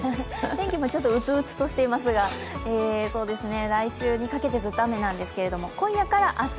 天気もちょっとうつうつとしていますが、来週にかけてずっと雨ですが今夜から明日